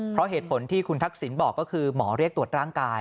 เพราะเหตุผลที่คุณทักษิณบอกก็คือหมอเรียกตรวจร่างกาย